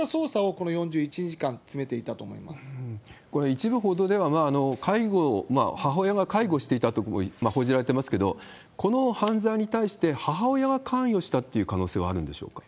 この４１日間、これ、一部報道では、介護、母親が介護していたと報じられていますけれども、この犯罪に対して、母親が関与したという可能性はあるんでしょうか。